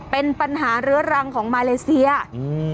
เป็นปัญหาเรื้อรังของมาเลเซียอืม